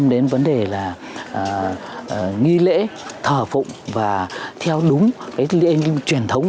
để là nghi lễ thở phụng và theo đúng cái lĩnh truyền thống